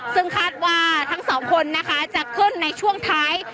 ซึ่งคาดว่าทั้งสองคนนะคะจะขึ้นในช่วงท้าย